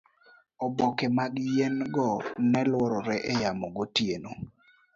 oboke mag yien go neluorre e yamo magotieno